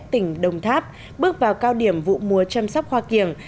tỉnh đồng tháp bước vào cao điểm vụ mùa chăm sóc hoa kiểng